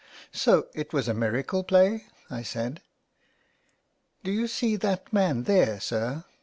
''" So it was a miracle play,'' I said. " Do you see that man there, sir ?